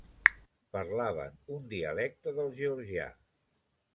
Parlaven un dialecte del georgià.